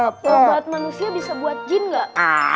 obat manusia bisa buat jin gak